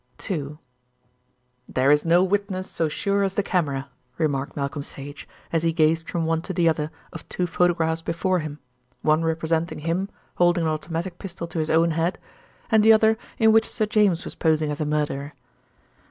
II "There is no witness so sure as the camera," remarked Malcolm Sage as he gazed from one to the other of two photographs before him, one representing him holding an automatic pistol to his own head, and the other in which Sir James was posing as a murderer.